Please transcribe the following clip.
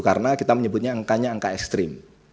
karena kita menyebutnya angkanya angka ekstrim